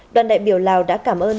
đoàn đại biểu lào đã cảm ơn